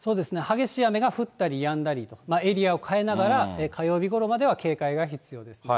激しい雨が降ったりやんだりとエリアを変えながら、火曜日ごろまでは警戒が必要ですね。